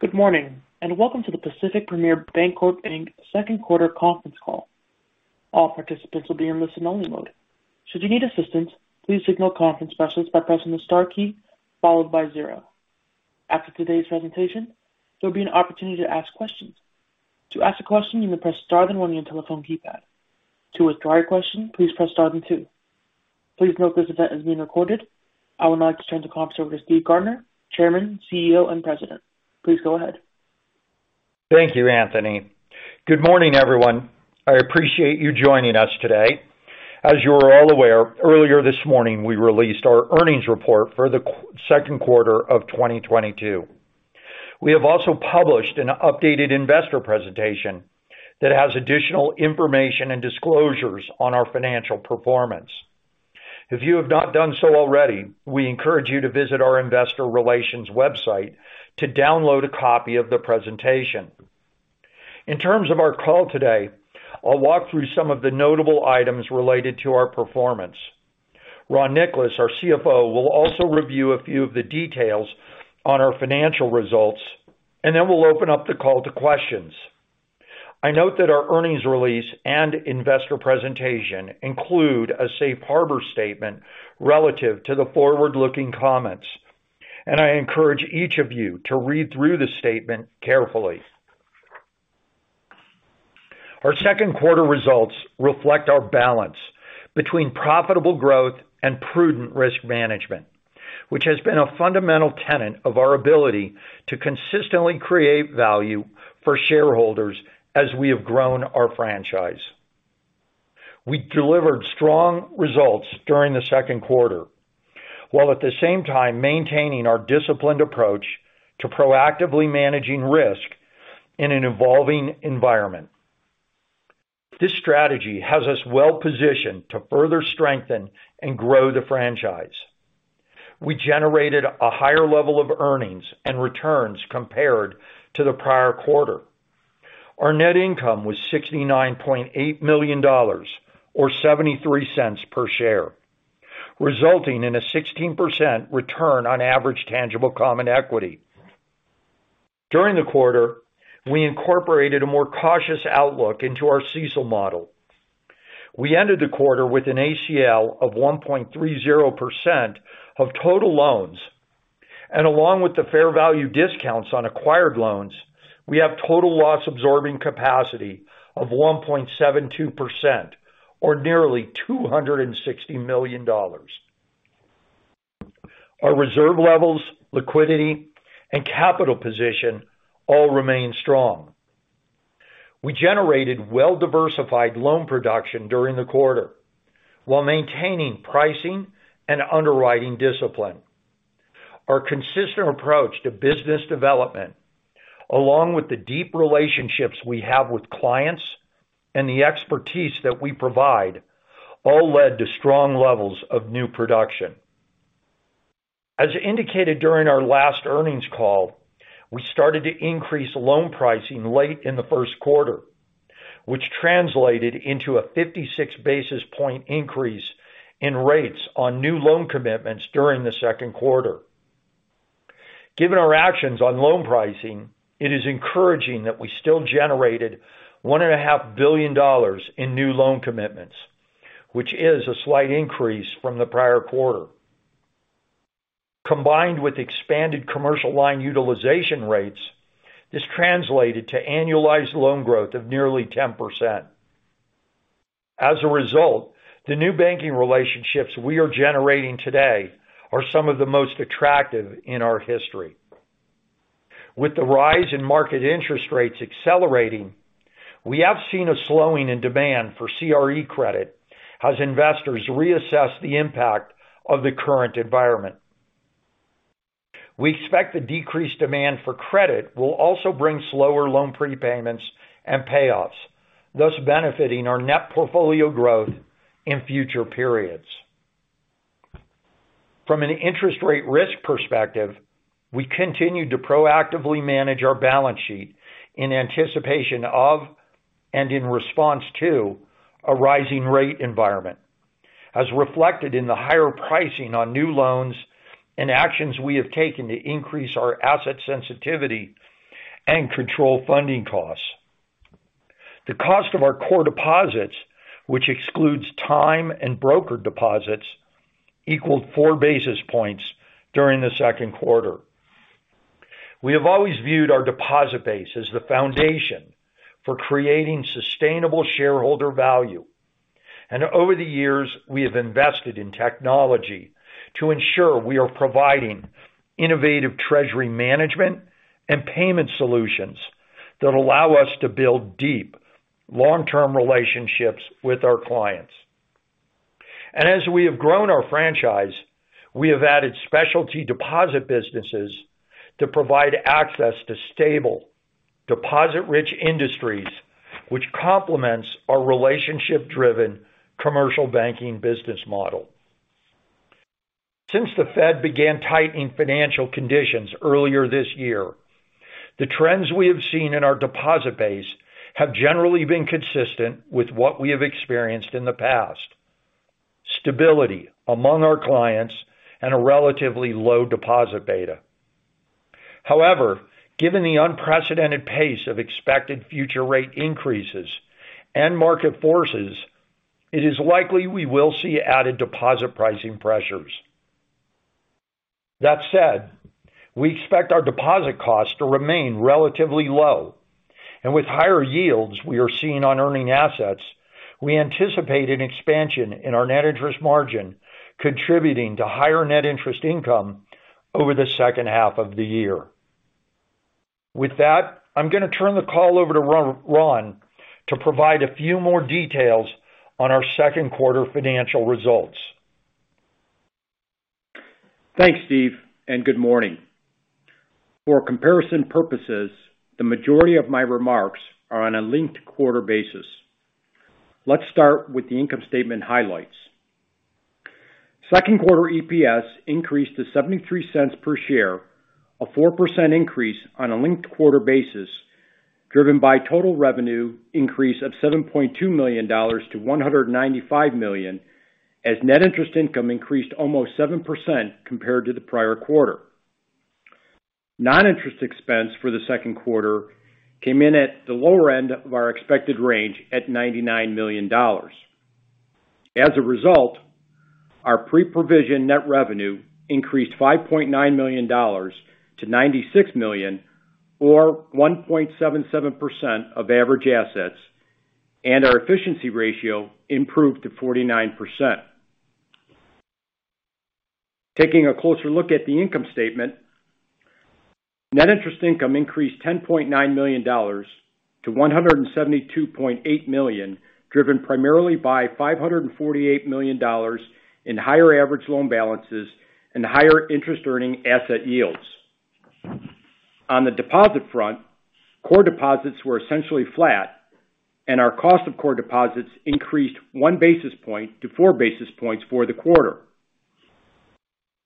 Good morning, and welcome to the Pacific Premier Bancorp, Inc. second quarter conference call. All participants will be in listen-only mode. Should you need assistance, please signal conference specialist by pressing the star key followed by zero. After today's presentation, there will be an opportunity to ask questions. To ask a question, you may press star then one on your telephone keypad. To withdraw your question, please press star then two. Please note this event is being recorded. I would now like to turn the conference over to Steven Gardner, Chairman, CEO, and President. Please go ahead. Thank you, Anthony. Good morning, everyone. I appreciate you joining us today. As you are all aware, earlier this morning, we released our earnings report for the second quarter of 2022. We have also published an updated investor presentation that has additional information and disclosures on our financial performance. If you have not done so already, we encourage you to visit our investor relations website to download a copy of the presentation. In terms of our call today, I'll walk through some of the notable items related to our performance. Ronald Nicolas, our CFO, will also review a few of the details on our financial results, and then we'll open up the call to questions. I note that our earnings release and investor presentation include a safe harbor statement relative to the forward-looking comments, and I encourage each of you to read through the statement carefully. Our second quarter results reflect our balance between profitable growth and prudent risk management, which has been a fundamental tenet of our ability to consistently create value for shareholders as we have grown our franchise. We delivered strong results during the second quarter, while at the same time maintaining our disciplined approach to proactively managing risk in an evolving environment. This strategy has us well positioned to further strengthen and grow the franchise. We generated a higher level of earnings and returns compared to the prior quarter. Our net income was $69.8 million or $0.73 per share, resulting in a 16% return on average tangible common equity. During the quarter, we incorporated a more cautious outlook into our CECL model. We ended the quarter with an ACL of 1.30% of total loans. Along with the fair value discounts on acquired loans, we have total loss absorbing capacity of 1.72% or nearly $260 million. Our reserve levels, liquidity, and capital position all remain strong. We generated well-diversified loan production during the quarter while maintaining pricing and underwriting discipline. Our consistent approach to business development, along with the deep relationships we have with clients and the expertise that we provide, all led to strong levels of new production. As indicated during our last earnings call, we started to increase loan pricing late in the first quarter, which translated into a 56 basis point increase in rates on new loan commitments during the second quarter. Given our actions on loan pricing, it is encouraging that we still generated $1.5 billion in new loan commitments, which is a slight increase from the prior quarter. Combined with expanded commercial line utilization rates, this translated to annualized loan growth of nearly 10%. As a result, the new banking relationships we are generating today are some of the most attractive in our history. With the rise in market interest rates accelerating, we have seen a slowing in demand for CRE credit as investors reassess the impact of the current environment. We expect the decreased demand for credit will also bring slower loan prepayments and payoffs, thus benefiting our net portfolio growth in future periods. From an interest rate risk perspective, we continue to proactively manage our balance sheet in anticipation of and in response to a rising rate environment, as reflected in the higher pricing on new loans and actions we have taken to increase our asset sensitivity and control funding costs. The cost of our core deposits, which excludes time and broker deposits, equaled four basis points during the second quarter. We have always viewed our deposit base as the foundation for creating sustainable shareholder value. Over the years, we have invested in technology to ensure we are providing innovative treasury management and payment solutions that allow us to build deep long-term relationships with our clients. As we have grown our franchise, we have added specialty deposit businesses to provide access to stable deposit-rich industries, which complements our relationship-driven commercial banking business model. Since the Fed began tightening financial conditions earlier this year, the trends we have seen in our deposit base have generally been consistent with what we have experienced in the past, stability among our clients and a relatively low deposit beta. However, given the unprecedented pace of expected future rate increases and market forces, it is likely we will see added deposit pricing pressures. That said, we expect our deposit costs to remain relatively low. With higher yields we are seeing on earning assets, we anticipate an expansion in our net interest margin contributing to higher net interest income over the second half of the year. With that, I'm gonna turn the call over to Ron to provide a few more details on our second quarter financial results. Thanks, Steve, and good morning. For comparison purposes, the majority of my remarks are on a linked quarter basis. Let's start with the income statement highlights. Second quarter EPS increased to $0.73 per share, a 4% increase on a linked quarter basis, driven by total revenue increase of $7.2 million to $195 million, as net interest income increased almost 7% compared to the prior quarter. Non-interest expense for the second quarter came in at the lower end of our expected range at $99 million. As a result, our Pre-Provision Net Revenue increased $5.9 million to $96 million or 1.77% of average assets, and our efficiency ratio improved to 49%. Taking a closer look at the income statement, net interest income increased $10.9 million to $172.8 million, driven primarily by $548 million in higher average loan balances and higher interest earning asset yields. On the deposit front, core deposits were essentially flat and our cost of core deposits increased 1 basis point to 4 basis points for the quarter.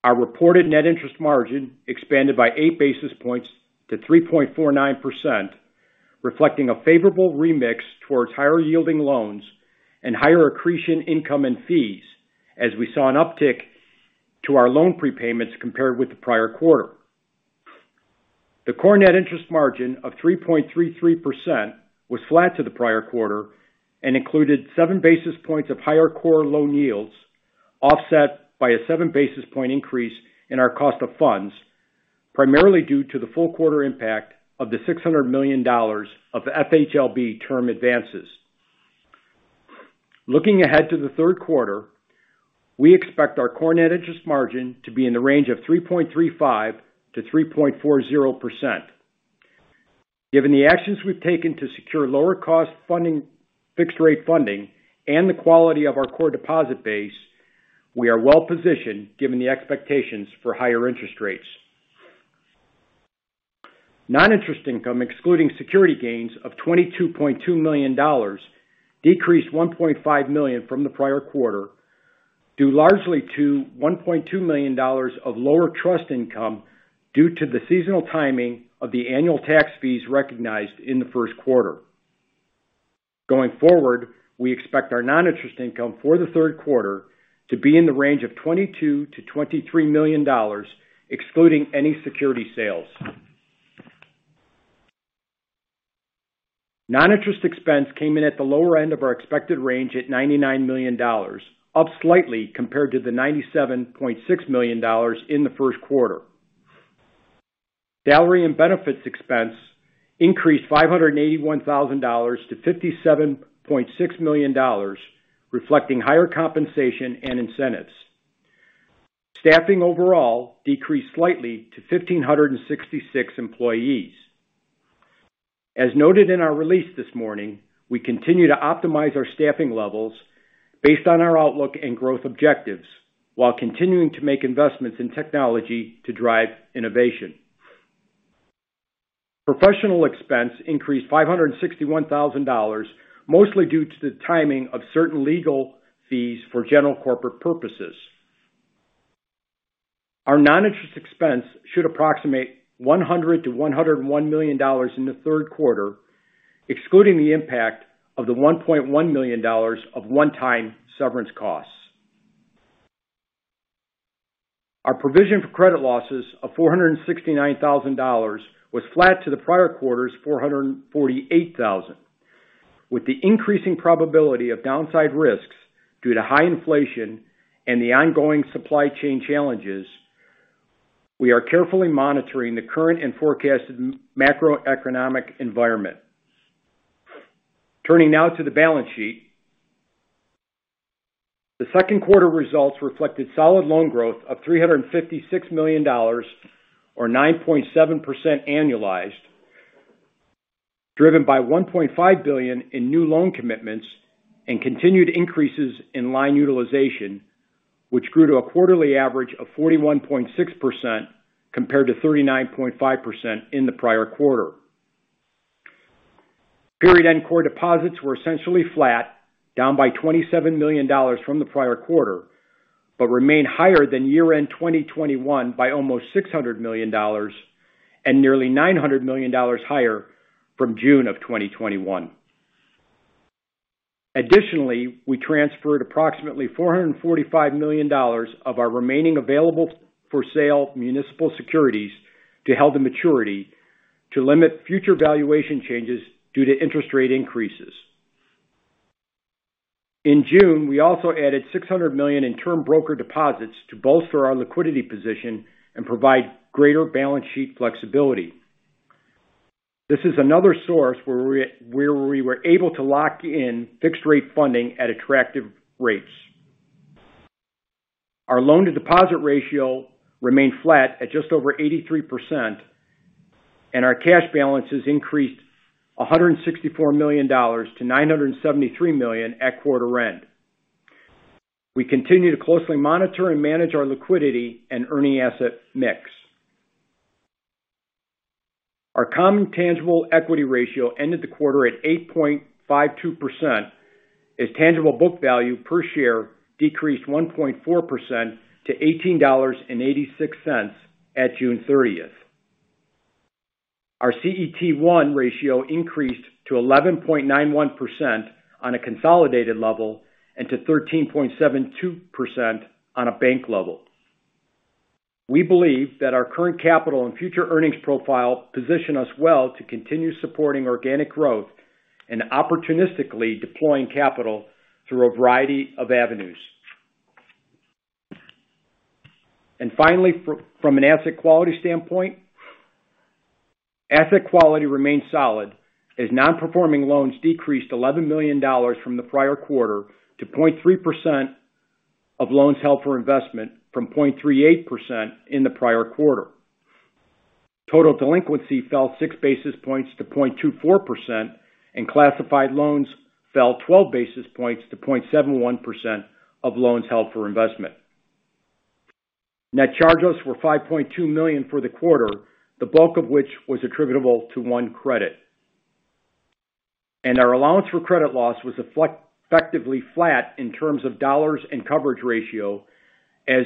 Our reported net interest margin expanded by 8 basis points to 3.49%, reflecting a favorable remix towards higher yielding loans and higher accretion income and fees as we saw an uptick to our loan prepayments compared with the prior quarter. The core net interest margin of 3.33% was flat to the prior quarter and included 7 basis points of higher core loan yields, offset by a 7 basis point increase in our cost of funds, primarily due to the full quarter impact of the $600 million of FHLB term advances. Looking ahead to the third quarter, we expect our core net interest margin to be in the range of 3.35%-3.40%. Given the actions we've taken to secure lower cost funding, fixed rate funding and the quality of our core deposit base, we are well positioned given the expectations for higher interest rates. Non-interest income excluding security gains of $22.2 million decreased $1.5 million from the prior quarter, due largely to $1.2 million of lower trust income due to the seasonal timing of the annual tax fees recognized in the first quarter. Going forward, we expect our non-interest income for the third quarter to be in the range of $22-$23 million excluding any security sales. Non-interest expense came in at the lower end of our expected range at $99 million, up slightly compared to the $97.6 million in the first quarter. Salary and benefits expense increased $581,000 to $57.6 million, reflecting higher compensation and incentives. Staffing overall decreased slightly to 1,566 employees. As noted in our release this morning, we continue to optimize our staffing levels based on our outlook and growth objectives while continuing to make investments in technology to drive innovation. Professional expense increased $561,000, mostly due to the timing of certain legal fees for general corporate purposes. Our noninterest expense should approximate $100 million-$101 million in the third quarter, excluding the impact of the $1.1 million of one-time severance costs. Our provision for credit losses of $469,000 was flat to the prior quarter's $448,000. With the increasing probability of downside risks due to high inflation and the ongoing supply chain challenges, we are carefully monitoring the current and forecasted macroeconomic environment. Turning now to the balance sheet. The second quarter results reflected solid loan growth of $356 million or 9.7% annualized, driven by $1.5 billion in new loan commitments and continued increases in line utilization, which grew to a quarterly average of 41.6% compared to 39.5% in the prior quarter. Period-end core deposits were essentially flat, down by $27 million from the prior quarter. They remain higher than year-end 2021 by almost $600 million and nearly $900 million higher from June of 2021. Additionally, we transferred approximately $445 million of our remaining Available-for-Sale municipal securities to Held-to-Maturity to limit future valuation changes due to interest rate increases. In June, we also added $600 million in term broker deposits to bolster our liquidity position and provide greater balance sheet flexibility. This is another source where we were able to lock in fixed rate funding at attractive rates. Our loan to deposit ratio remained flat at just over 83% and our cash balances increased $164 million to $973 million at quarter end. We continue to closely monitor and manage our liquidity and earning asset mix. Our common tangible equity ratio ended the quarter at 8.52% as tangible book value per share decreased 1.4% to $18.86 at June thirtieth. Our CET1 ratio increased to 11.91% on a consolidated level and to 13.72% on a bank level. We believe that our current capital and future earnings profile position us well to continue supporting organic growth and opportunistically deploying capital through a variety of avenues. Finally, from an asset quality standpoint. Asset quality remains solid as non-performing loans decreased $11 million from the prior quarter to 0.3% of loans held for investment from 0.38% in the prior quarter. Total delinquency fell six basis points to 0.24%, and classified loans fell twelve basis points to 0.71% of loans held for investment. Net charge-offs were $5.2 million for the quarter, the bulk of which was attributable to one credit. Our allowance for credit loss was effectively flat in terms of dollars and coverage ratio as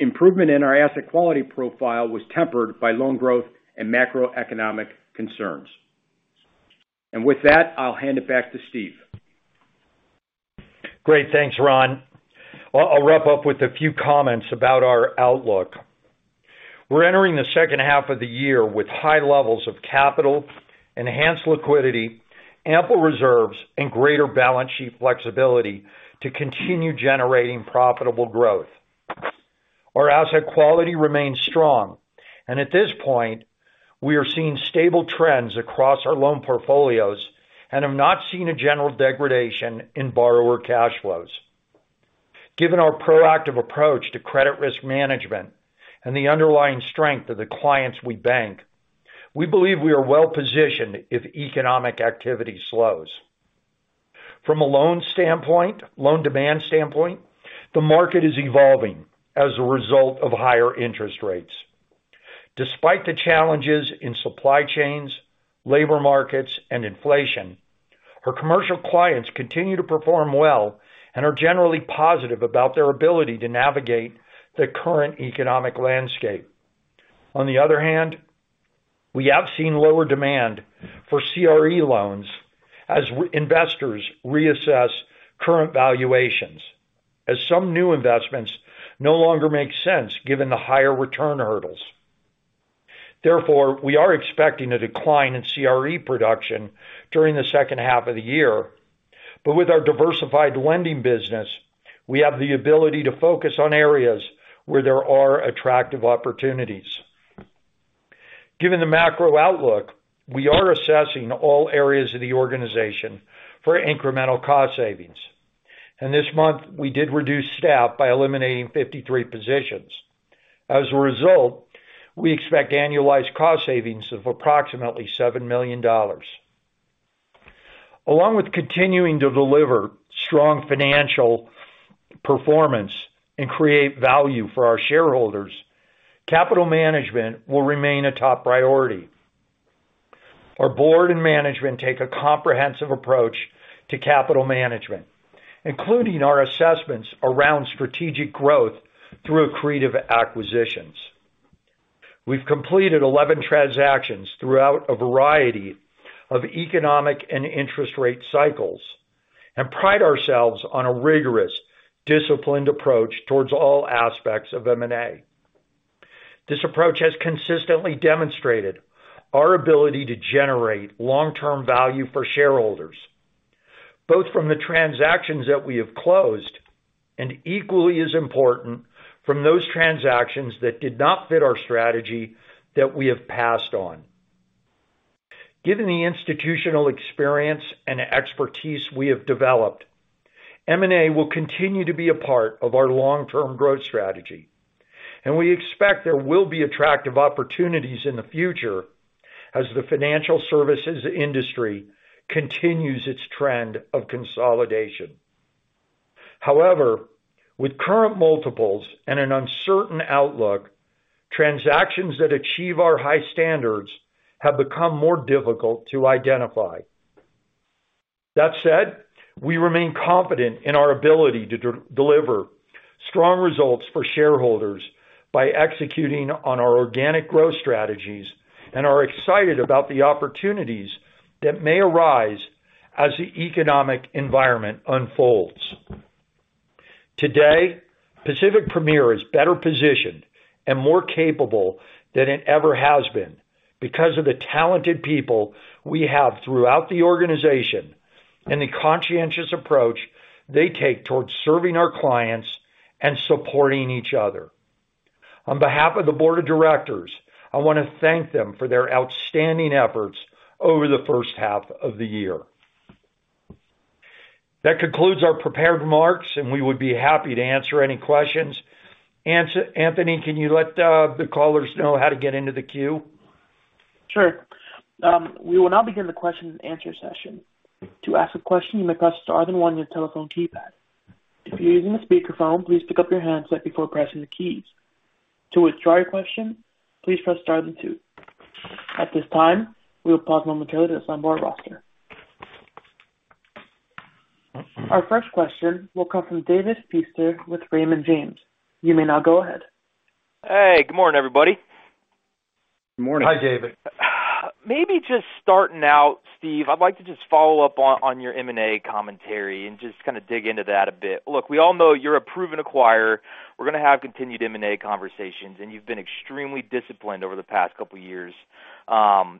improvement in our asset quality profile was tempered by loan growth and macroeconomic concerns. With that, I'll hand it back to Steven. Great. Thanks, Ron. I'll wrap up with a few comments about our outlook. We're entering the second half of the year with high levels of capital, enhanced liquidity, ample reserves, and greater balance sheet flexibility to continue generating profitable growth. Our asset quality remains strong, and at this point, we are seeing stable trends across our loan portfolios and have not seen a general degradation in borrower cash flows. Given our proactive approach to credit risk management and the underlying strength of the clients we bank, we believe we are well-positioned if economic activity slows. From a loan demand standpoint, the market is evolving as a result of higher interest rates. Despite the challenges in supply chains, labor markets, and inflation, our commercial clients continue to perform well and are generally positive about their ability to navigate the current economic landscape. On the other hand, we have seen lower demand for CRE loans as investors reassess current valuations as some new investments no longer make sense given the higher return hurdles. Therefore, we are expecting a decline in CRE production during the second half of the year. With our diversified lending business, we have the ability to focus on areas where there are attractive opportunities. Given the macro outlook, we are assessing all areas of the organization for incremental cost savings. This month, we did reduce staff by eliminating 53 positions. As a result, we expect annualized cost savings of approximately $7 million. Along with continuing to deliver strong financial performance and create value for our shareholders, capital management will remain a top priority. Our board and management take a comprehensive approach to capital management, including our assessments around strategic growth through accretive acquisitions. We've completed 11 transactions throughout a variety of economic and interest rate cycles and pride ourselves on a rigorous, disciplined approach towards all aspects of M&A. This approach has consistently demonstrated our ability to generate long-term value for shareholders, both from the transactions that we have closed, and equally as important, from those transactions that did not fit our strategy that we have passed on. Given the institutional experience and expertise we have developed, M&A will continue to be a part of our long-term growth strategy, and we expect there will be attractive opportunities in the future as the financial services industry continues its trend of consolidation. However, with current multiples and an uncertain outlook, transactions that achieve our high standards have become more difficult to identify. That said, we remain confident in our ability to deliver strong results for shareholders by executing on our organic growth strategies and are excited about the opportunities that may arise as the economic environment unfolds. Today, Pacific Premier is better positioned and more capable than it ever has been because of the talented people we have throughout the organization and the conscientious approach they take towards serving our clients and supporting each other. On behalf of the board of directors, I want to thank them for their outstanding efforts over the first half of the year. That concludes our prepared remarks, and we would be happy to answer any questions. Anthony, can you let the callers know how to get into the queue? Sure. We will now begin the question and answer session. To ask a question, you may press star then one on your telephone keypad. If you're using a speakerphone, please pick up your handset before pressing the keys. To withdraw your question, please press star then two. At this time, we will pause momentarily to sign more roster. Our first question will come from David Feaster with Raymond James. You may now go ahead. Hey, good morning, everybody. Good morning. Hi, David. Maybe just starting out, Steve, I'd like to just follow up on your M&A commentary and just kind of dig into that a bit. Look, we all know you're a proven acquirer. We're gonna have continued M&A conversations, and you've been extremely disciplined over the past couple years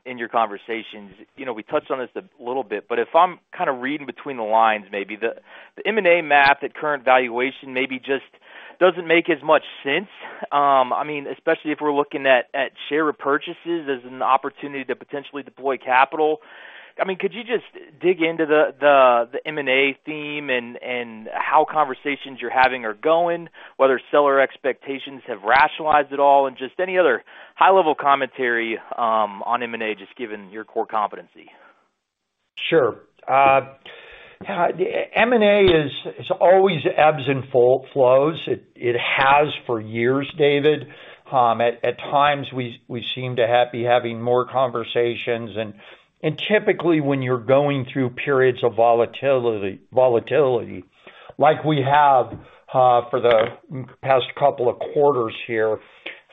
in your conversations. You know, we touched on this a little bit, but if I'm kinda reading between the lines, maybe the M&A math at current valuation maybe just doesn't make as much sense. I mean, especially if we're looking at share repurchases as an opportunity to potentially deploy capital. I mean, could you just dig into the M&A theme and how conversations you're having are going, whether seller expectations have rationalized at all and just any other high level commentary on M&A just given your core competency? Sure. M&A is always ebbs and flows. It has for years, David. At times we seem to have been having more conversations and typically when you're going through periods of volatility like we have for the past couple of quarters here,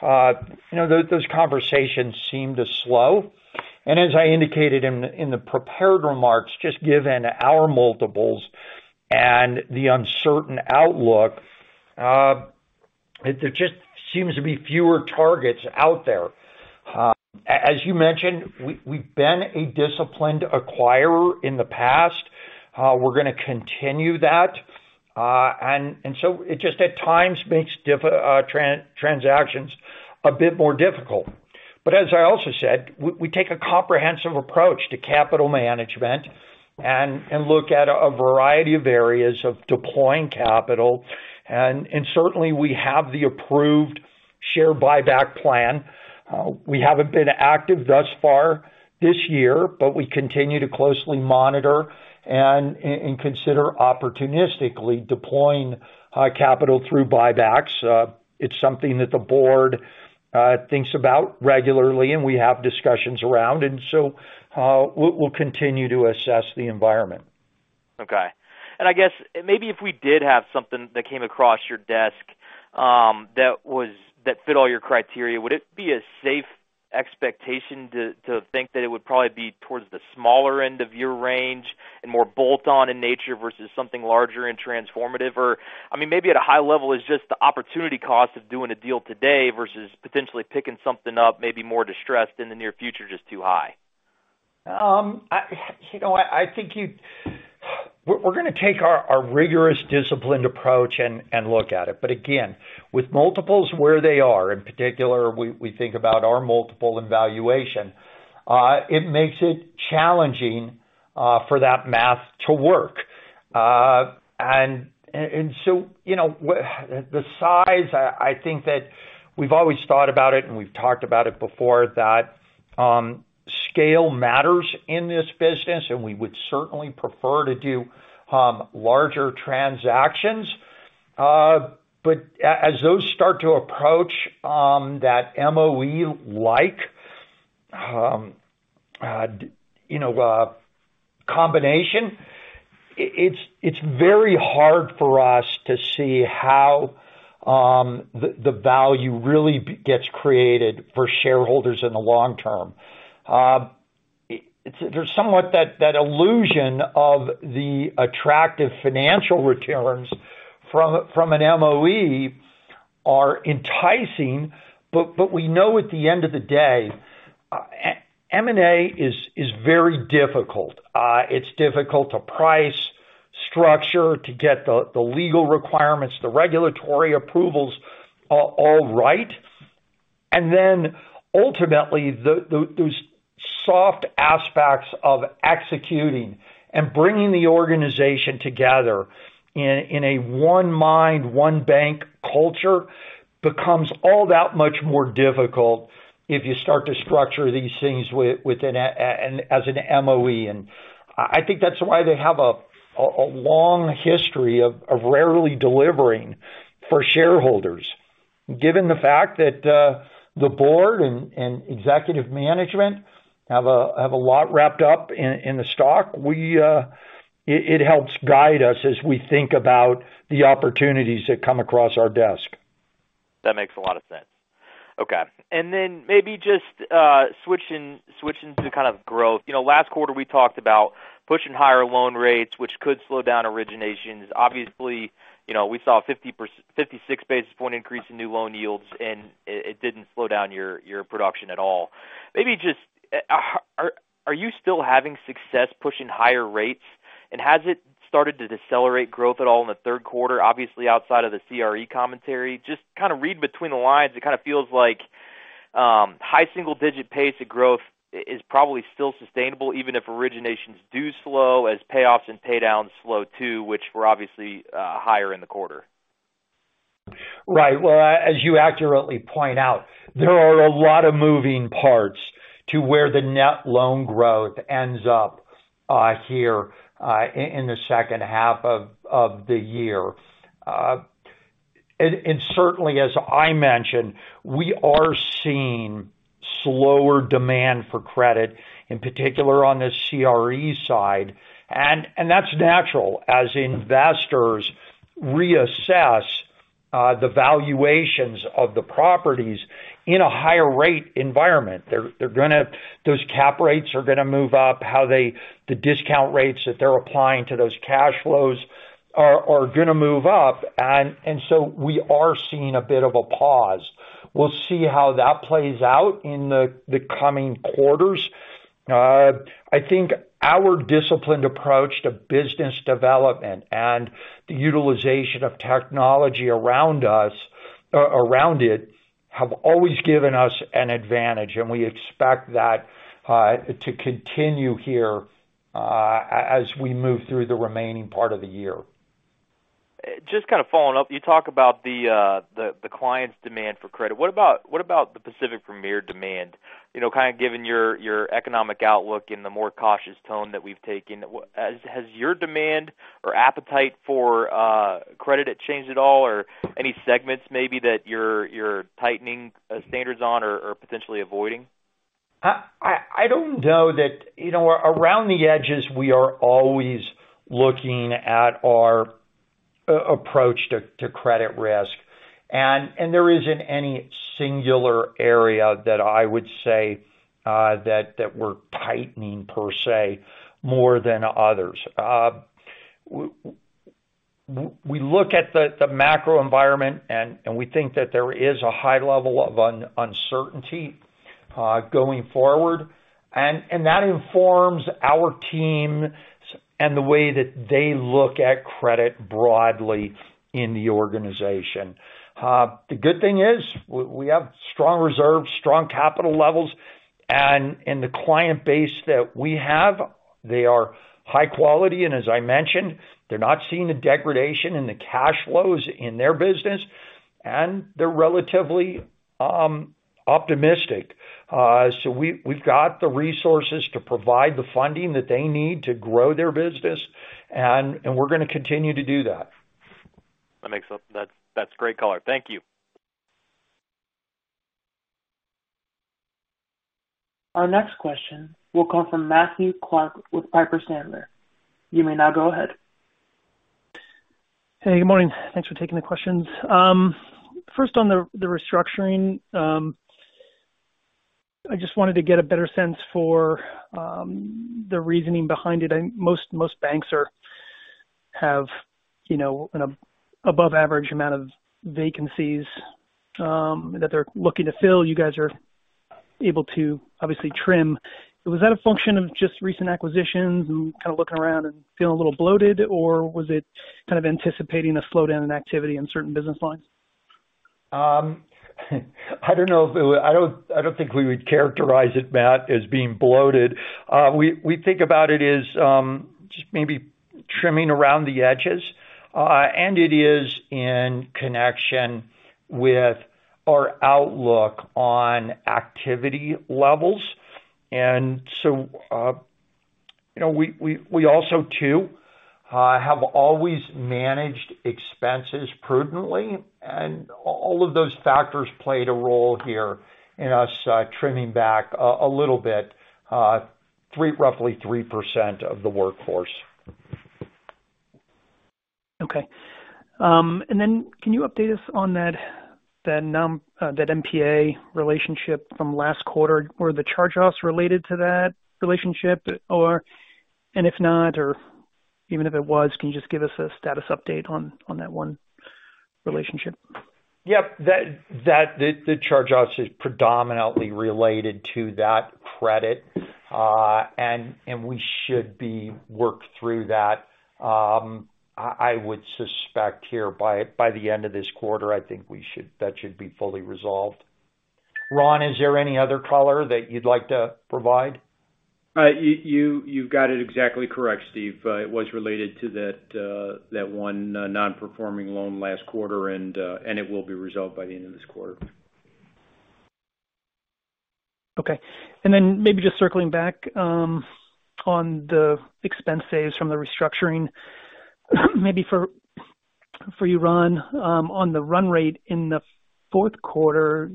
you know, those conversations seem to slow. As I indicated in the prepared remarks, just given our multiples and the uncertain outlook, there just seems to be fewer targets out there. As you mentioned, we've been a disciplined acquirer in the past. We're gonna continue that. It just at times makes transactions a bit more difficult. As I also said, we take a comprehensive approach to capital management and look at a variety of areas of deploying capital. Certainly we have the approved share buyback plan. We haven't been active thus far this year, but we continue to closely monitor and consider opportunistically deploying capital through buybacks. It's something that the board thinks about regularly, and we have discussions around. We'll continue to assess the environment. Okay. I guess maybe if we did have something that came across your desk, that fit all your criteria, would it be a safe expectation to think that it would probably be towards the smaller end of your range and more bolt-on in nature versus something larger and transformative or I mean, maybe at a high level is just the opportunity cost of doing a deal today versus potentially picking something up maybe more distressed in the near future, just too high? You know, I think we're gonna take our rigorous disciplined approach and look at it. Again, with multiples where they are, in particular, we think about our multiple and valuation, it makes it challenging for that math to work. You know, with the size I think that we've always thought about it and we've talked about it before that, scale matters in this business, and we would certainly prefer to do larger transactions. As those start to approach that MOE-like combination, you know, it's very hard for us to see how the value really gets created for shareholders in the long term. There's somewhat that illusion of the attractive financial returns from an MOE are enticing, but we know at the end of the day, M&A is very difficult. It's difficult to price, structure, to get the legal requirements, the regulatory approvals all right. Then ultimately, those soft aspects of executing and bringing the organization together in a one mind, one bank culture becomes all that much more difficult if you start to structure these things with as an MOE. I think that's why they have a long history of rarely delivering for shareholders. Given the fact that the board and executive management have a lot wrapped up in the stock, it helps guide us as we think about the opportunities that come across our desk. That makes a lot of sense. Okay. Maybe just switching to kind of growth. You know, last quarter, we talked about pushing higher loan rates, which could slow down originations. Obviously, you know, we saw 56 basis point increase in new loan yields, and it didn't slow down your production at all. Are you still having success pushing higher rates? Has it started to decelerate growth at all in the third quarter, obviously outside of the CRE commentary? Just kind of read between the lines, it kind of feels like high single-digit pace to growth is probably still sustainable, even if originations do slow as payoffs and pay downs slow, too, which were obviously higher in the quarter. Right. Well, as you accurately point out, there are a lot of moving parts to where the net loan growth ends up here in the second half of the year. Certainly as I mentioned, we are seeing slower demand for credit, in particular on the CRE side. That's natural as investors reassess the valuations of the properties in a higher rate environment. Those cap rates are gonna move up, the discount rates that they're applying to those cash flows are gonna move up. We are seeing a bit of a pause. We'll see how that plays out in the coming quarters. I think our disciplined approach to business development and the utilization of technology around it have always given us an advantage, and we expect that to continue here, as we move through the remaining part of the year. Just kind of following up. You talk about the client's demand for credit. What about the Pacific Premier demand? You know, kind of given your economic outlook and the more cautious tone that we've taken, has your demand or appetite for credit changed at all, or any segments maybe that you're tightening standards on or potentially avoiding? I don't know that. You know, around the edges, we are always looking at our approach to credit risk. There isn't any singular area that I would say that we're tightening per se, more than others. We look at the macro environment and we think that there is a high level of uncertainty going forward, and that informs our team and the way that they look at credit broadly in the organization. The good thing is we have strong reserves, strong capital levels. In the client base that we have, they are high quality. As I mentioned, they're not seeing the degradation in the cash flows in their business, and they're relatively optimistic. We've got the resources to provide the funding that they need to grow their business, and we're gonna continue to do that. That's great color. Thank you. Our next question will come from Matthew Clark with Piper Sandler. You may now go ahead. Hey, good morning. Thanks for taking the questions. First on the restructuring. I just wanted to get a better sense for the reasoning behind it. Most banks have, you know, an above average amount of vacancies that they're looking to fill. You guys are able to obviously trim. Was that a function of just recent acquisitions and kind of looking around and feeling a little bloated, or was it kind of anticipating a slowdown in activity in certain business lines? I don't think we would characterize it, Matt, as being bloated. We think about it as just maybe trimming around the edges. It is in connection with our outlook on activity levels. You know, we also too have always managed expenses prudently, and all of those factors played a role here in us trimming back a little bit, roughly 3% of the workforce. Okay. Can you update us on that NPA relationship from last quarter? Were the charge-offs related to that relationship? Or, and if not, or even if it was, can you just give us a status update on that one relationship? Yep. The charge-offs is predominantly related to that credit. And we should be worked through that. I would suspect here by the end of this quarter. I think that should be fully resolved. Ron, is there any other color that you'd like to provide? You've got it exactly correct, Steve. It was related to that one non-performing loan last quarter and it will be resolved by the end of this quarter. Okay. Then maybe just circling back on the expense savings from the restructuring. Maybe for you, Ron, on the run rate in the fourth quarter,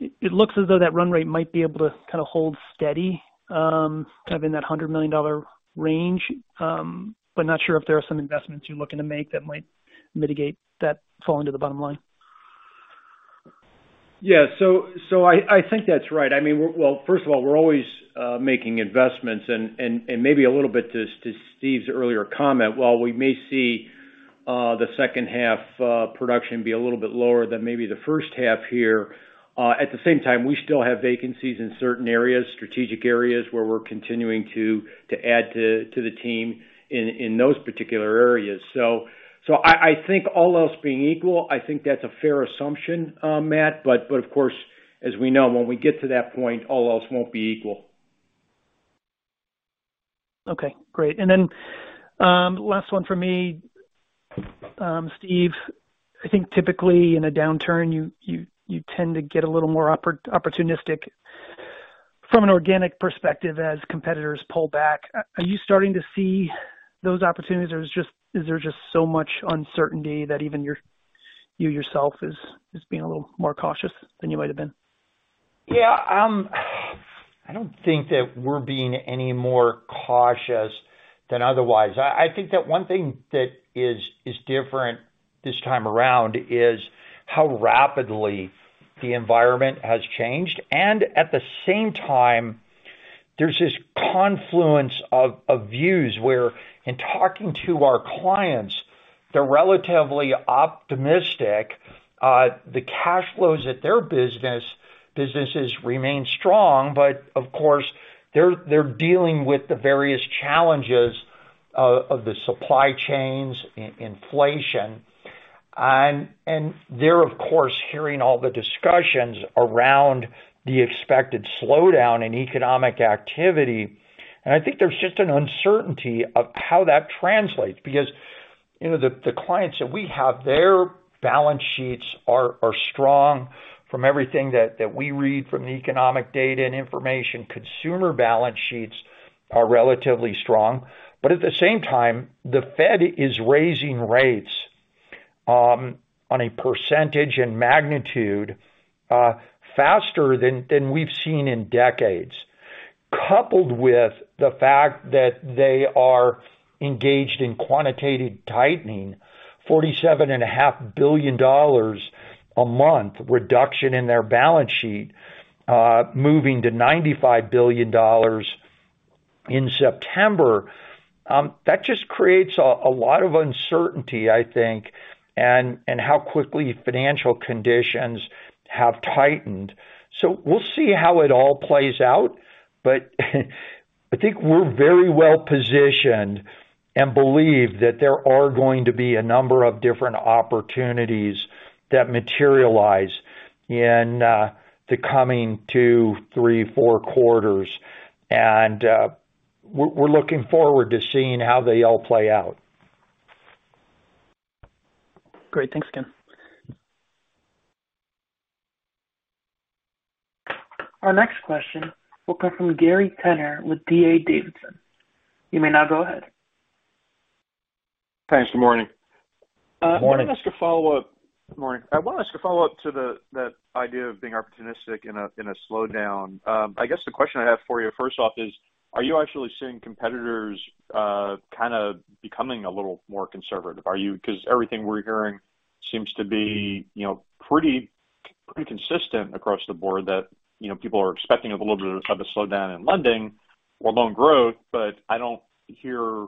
it looks as though that run rate might be able to kind of hold steady, kind of in that $100 million range, but not sure if there are some investments you're looking to make that might mitigate that falling to the bottom line. Yeah. I think that's right. I mean, well, first of all, we're always making investments and maybe a little bit to Steve's earlier comment, while we may see the second half production be a little bit lower than maybe the first half here, at the same time, we still have vacancies in certain areas, strategic areas where we're continuing to add to the team in those particular areas. I think all else being equal, I think that's a fair assumption, Matt. Of course, as we know, when we get to that point, all else won't be equal. Okay, great. Last one for me. Steve, I think typically in a downturn, you tend to get a little more opportunistic from an organic perspective as competitors pull back. Are you starting to see those opportunities, or is there just so much uncertainty that even you yourself is being a little more cautious than you might have been? Yeah. I don't think that we're being any more cautious than otherwise. I think that one thing that is different this time around is how rapidly the environment has changed. At the same time, there's this confluence of views where in talking to our clients, they're relatively optimistic. The cash flows at their business, businesses remain strong, but of course, they're dealing with the various challenges of the supply chains, inflation. They're of course hearing all the discussions around the expected slowdown in economic activity. I think there's just an uncertainty of how that translates. Because, you know, the clients that we have, their balance sheets are strong from everything that we read from the economic data and information. Consumer balance sheets are relatively strong. At the same time, the Fed is raising rates on a percentage and magnitude faster than we've seen in decades. Coupled with the fact that they are engaged in quantitative tightening, $47.5 billion a month reduction in their balance sheet, moving to $95 billion in September. That just creates a lot of uncertainty, I think, and how quickly financial conditions have tightened. We'll see how it all plays out. I think we're very well positioned and believe that there are going to be a number of different opportunities that materialize in the coming two, three, four quarters. We're looking forward to seeing how they all play out. Great. Thanks again. Our next question will come from Gary Tenner with D.A. Davidson. You may now go ahead. Thanks. Good morning. Morning. I wanted just to follow up. Good morning. I wanted just to follow up to that idea of being opportunistic in a slowdown. I guess the question I have for you first off is, are you actually seeing competitors kind of becoming a little more conservative? 'Cause everything we're hearing seems to be, you know, pretty consistent across the board that, you know, people are expecting a little bit of a slowdown in lending or loan growth, but I don't hear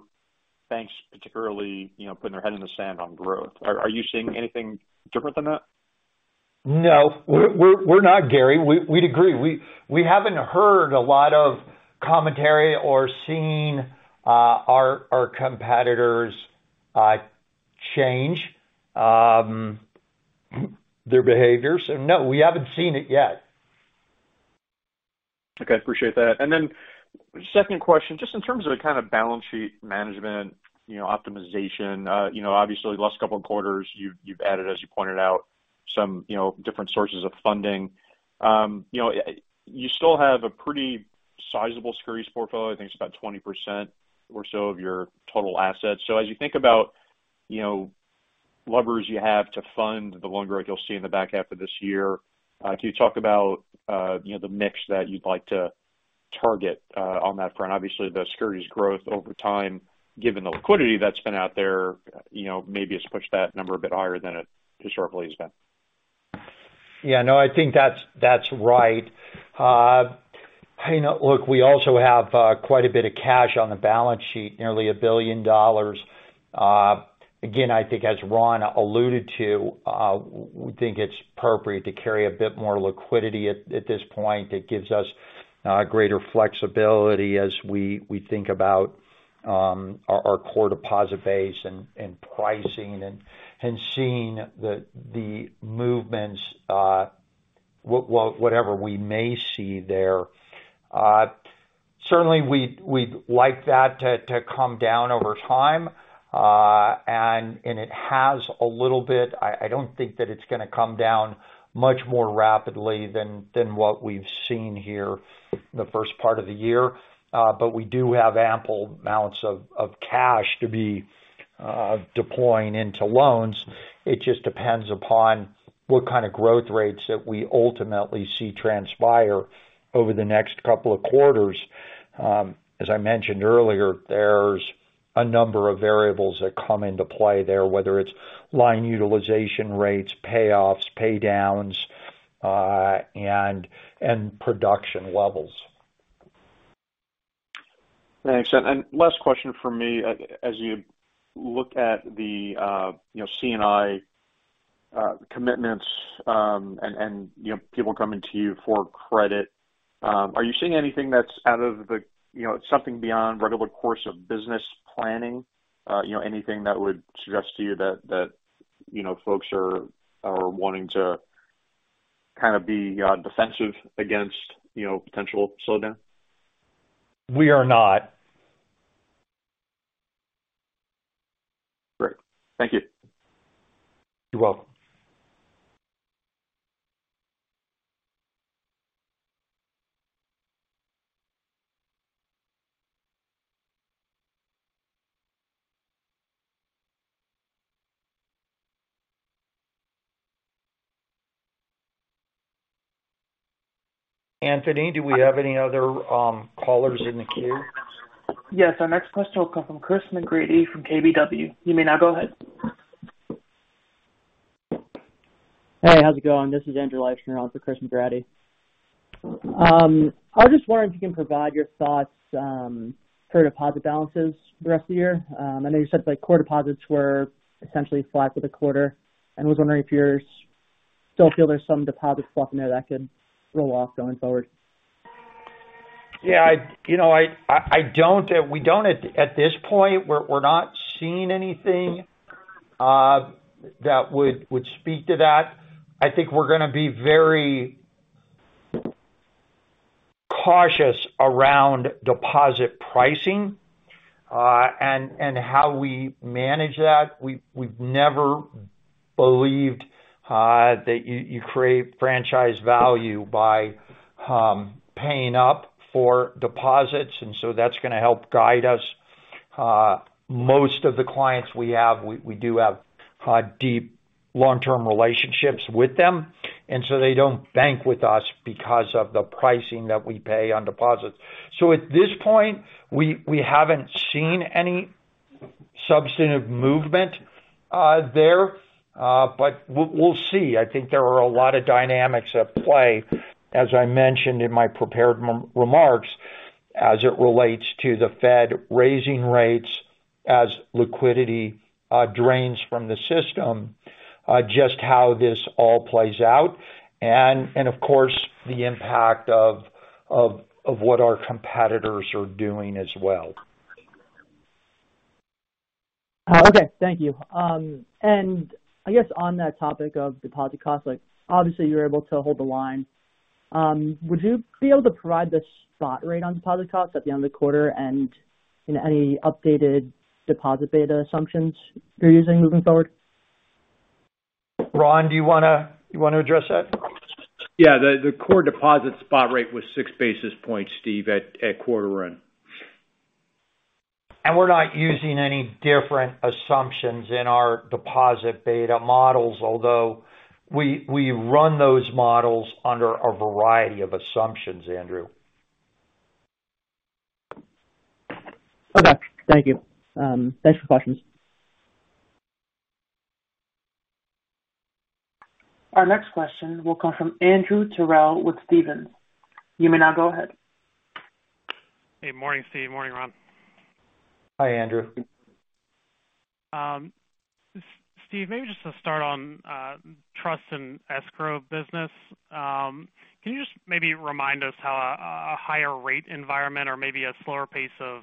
banks particularly, you know, putting their head in the sand on growth. Are you seeing anything different than that? No. We're not, Gary. We'd agree. We haven't heard a lot of commentary or seen our competitors change their behavior. No, we haven't seen it yet. Okay. Appreciate that. Second question, just in terms of the kind of balance sheet management, you know, optimization, you know, obviously last couple of quarters, you've added, as you pointed out, some, you know, different sources of funding. You know, you still have a pretty sizable securities portfolio. I think it's about 20% or so of your total assets. As you think about, you know, levers you have to fund the loan growth you'll see in the back half of this year, can you talk about, you know, the mix that you'd like to target, on that front? Obviously, the securities growth over time, given the liquidity that's been out there, you know, maybe it's pushed that number a bit higher than it historically has been. Yeah. No, I think that's right. You know, look, we also have quite a bit of cash on the balance sheet, nearly $1 billion. Again, I think as Ron alluded to, we think it's appropriate to carry a bit more liquidity at this point. It gives us greater flexibility as we think about our core deposit base and pricing and seeing the movements, whatever we may see there. Certainly we'd like that to come down over time. It has a little bit. I don't think that it's gonna come down much more rapidly than what we've seen here the first part of the year. We do have ample amounts of cash to be deploying into loans. It just depends upon what kind of growth rates that we ultimately see transpire over the next couple of quarters. As I mentioned earlier, there's a number of variables that come into play there, whether it's line utilization rates, payoffs, pay downs, and production levels. Thanks. Last question from me. As you look at the you know, C&I commitments, and you know, people coming to you for credit, are you seeing anything that's out of the you know, something beyond regular course of business planning? You know, anything that would suggest to you that you know, folks are wanting to kind of be defensive against you know, potential slowdown? We are not. Great. Thank you. You're welcome. Anthony, do we have any other callers in the queue? Yes. Our next question will come from Chris McGratty from KBW. You may now go ahead. Hey, how's it going? This is Andrew Leischner on for Chris McGratty. I was just wondering if you can provide your thoughts for deposit balances the rest of the year. I know you said like core deposits were essentially flat for the quarter, and was wondering if you still feel there's some deposit fluff in there that could roll off going forward. Yeah, you know, I don't. We don't at this point. We're not seeing anything that would speak to that. I think we're gonna be very cautious around deposit pricing and how we manage that. We've never believed that you create franchise value by paying up for deposits, and so that's gonna help guide us. Most of the clients we have, we do have deep long-term relationships with them, and so they don't bank with us because of the pricing that we pay on deposits. At this point, we haven't seen any substantive movement there. We'll see. I think there are a lot of dynamics at play, as I mentioned in my prepared remarks, as it relates to the Fed raising rates as liquidity drains from the system, just how this all plays out and, of course, the impact of what our competitors are doing as well. Okay. Thank you. I guess on that topic of deposit costs, like obviously you're able to hold the line. Would you be able to provide the spot rate on deposit costs at the end of the quarter and any updated deposit beta assumptions you're using moving forward? Ron, do you wanna address that? Yeah. The core deposit beta was 6 basis points, Steve, at quarter end. We're not using any different assumptions in our deposit beta models, although we run those models under a variety of assumptions, Andrew. Okay. Thank you. Thanks for the questions. Our next question will come from Andrew Terrell with Stephens. You may now go ahead. Hey. Morning, Steve. Morning, Ron. Hi, Andrew. Steve, maybe just to start on trust and escrow business. Can you just maybe remind us how a higher rate environment or maybe a slower pace of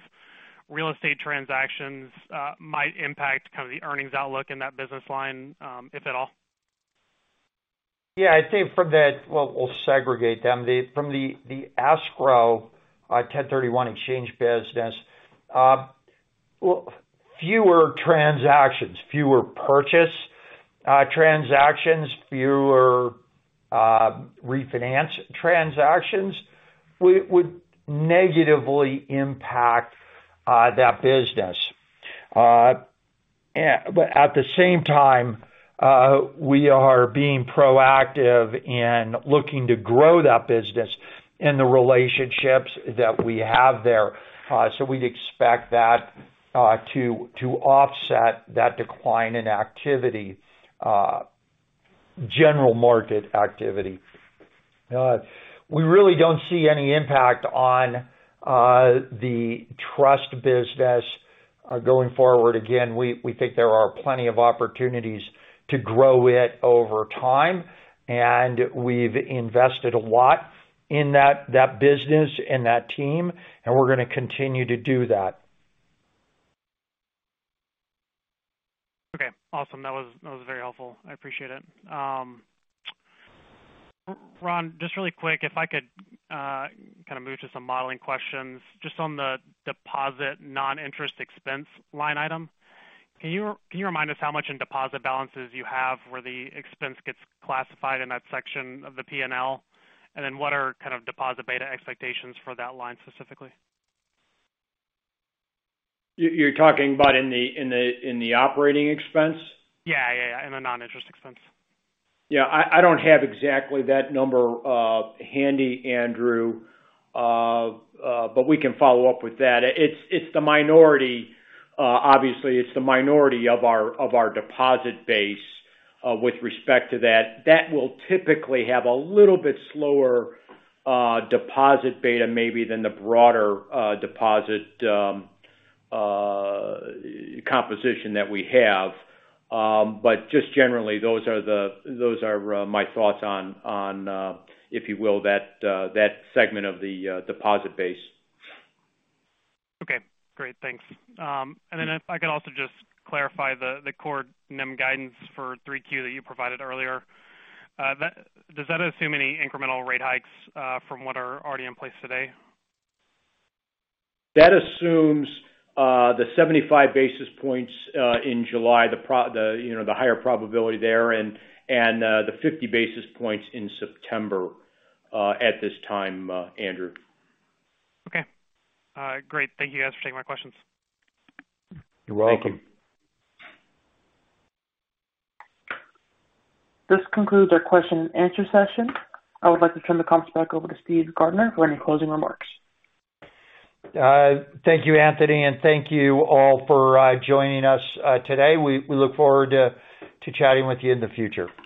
real estate transactions might impact kind of the earnings outlook in that business line, if at all? Yeah. I think from that, well, we'll segregate them. From the escrow 1031 exchange business. Fewer purchase transactions, fewer refinance transactions would negatively impact that business. At the same time, we are being proactive in looking to grow that business and the relationships that we have there. We'd expect that to offset that decline in activity, general market activity. We really don't see any impact on the trust business going forward. We think there are plenty of opportunities to grow it over time, and we've invested a lot in that business and that team, and we're gonna continue to do that. Awesome. That was very helpful. I appreciate it. Ron, just really quick, if I could kind of move to some modeling questions. Just on the deposit non-interest expense line item, can you remind us how much in deposit balances you have where the expense gets classified in that section of the PNL? And then what are kind of deposit beta expectations for that line specifically? You're talking about in the operating expense? Yeah. In the non-interest expense. Yeah. I don't have exactly that number handy, Andrew. We can follow up with that. It's the minority, obviously it's the minority of our deposit base, with respect to that. That will typically have a little bit slower deposit beta maybe than the broader deposit composition that we have. Just generally those are my thoughts on, if you will, that segment of the deposit base. Okay, great. Thanks. If I could also just clarify the core NIM guidance for 3Q that you provided earlier. Does that assume any incremental rate hikes from what are already in place today? That assumes the 75 basis points in July, you know, the higher probability there and the 50 basis points in September at this time, Andrew. Okay. Great. Thank you guys for taking my questions. You're welcome. Thank you. This concludes our question and answer session. I would like to turn the conference back over to Steven Gardner for any closing remarks. Thank you, Anthony, and thank you all for joining us today. We look forward to chatting with you in the future.